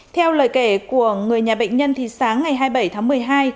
theo lời kể của người nhà bệnh nhân thì sáng ngày hai mươi bảy tháng một mươi hai